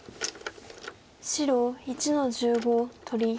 白１の十五取り。